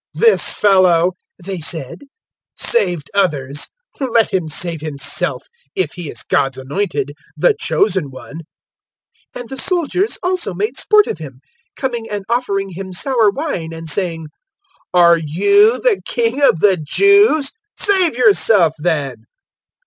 "This fellow," they said, "saved others: let him save himself, if he is God's Anointed, the Chosen One." 023:036 And the soldiers also made sport of Him, coming and offering Him sour wine and saying, 023:037 "Are *you* the King of the Jews? Save yourself, then!"